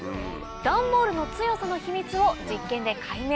ダンボールの強さの秘密を実験で解明。